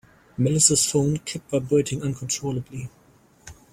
Melissa's phone kept vibrating uncontrollably.